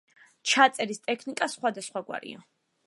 ჩაწერის ტექნიკა სხვადასხვაგვარია.